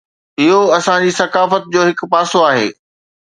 اهو اسان جي ثقافت جو هڪ پاسو آهي.